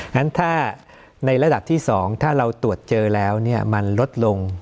งั้นถ้าในระดับที่๒ถ้าเราตรวจเจอแล้วมันลดลง